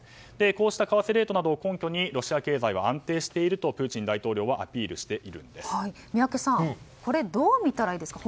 こうした為替レートなどを根拠にロシア経済は安定しているとプーチン大統領は宮家さん、これどう見たらいいですか？